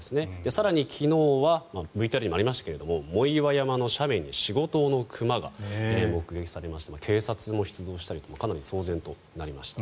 更に、昨日はＶＴＲにもありましたが藻岩山の斜面に４５頭の熊が目撃されまして警察も出動したりとかなり騒然となりました。